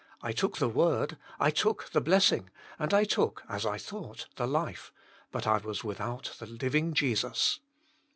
I took the word, I took the blessing, and I took, as I thought, the life, but I was without the living Jesus.